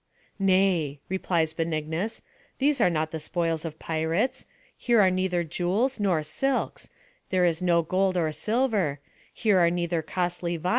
" Nay," replies Benignus, " these are not the spoils of pirates; here are neither jewels nor silks, here is no gold or silver — here are neither costly vi.